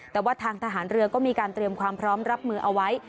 แต่ว่าทางทหารเรือก็มีการเตรียมความพร้อมรับมือเอาไว้